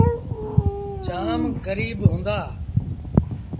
جآم گريٚب هُݩدآ۔